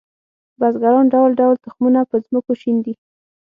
بزګران ډول ډول تخمونه په ځمکو شیندي